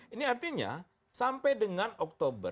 ini artinya sampai dengan oktober dua ribu dua puluh